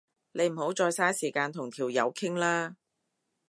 你唔好再嘥時間同條友傾啦